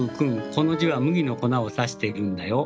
この字は麦の粉を指しているんだよ。